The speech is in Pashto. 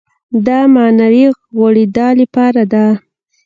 دا معنوي غوړېدا لپاره ده.